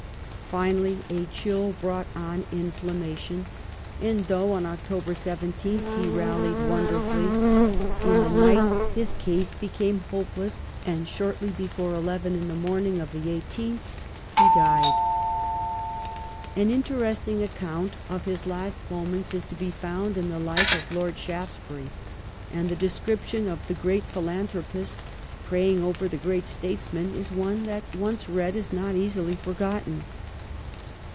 Finally, a chill brought on inflammation ; and, though 240 LIFE OF VISCOUNT PALMEBSTON. on October the 17th he rallied wonderftilly, in the night his case became hopeless, and shortly before eleven in the morning of the 18th he died. An interesting account of his last moments is to be found in the life of Lord Shaftesbury, and the description of the great philanthropist praying over the great statesman is one that, once read, is not easily forgotten.